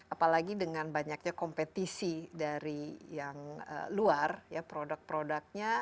apalagi dengan banyaknya kompetisi dari yang luar ya produk produknya